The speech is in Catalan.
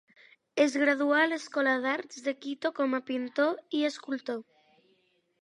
Es graduà a l'escola d'arts de Quito com a pintor i escultor.